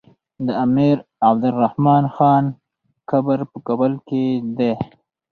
د امير عبدالرحمن خان قبر په کابل کی دی